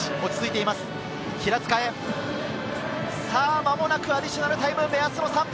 間もなくアディショナルタイム、目安の３分。